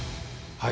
はい。